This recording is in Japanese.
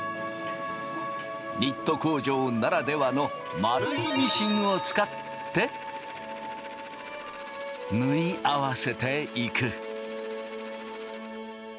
ニット工場ならではの丸いミシンを使って縫い合わせていく。